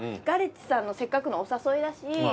ガレッジさんのせっかくのお誘いだし